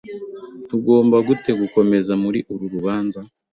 Tugomba gute gukomeza muri uru rubanza?